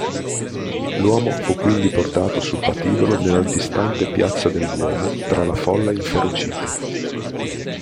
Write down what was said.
L'uomo fu quindi portato sul patibolo nell'antistante piazza del Duomo tra la folla inferocita.